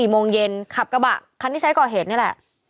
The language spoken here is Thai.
โมงเย็นขับกระบะคันที่ใช้ก่อเหตุนี่แหละ